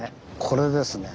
これですね。